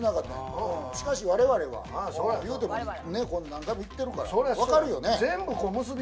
しかし、我々は何回も言ってるから分かるよね。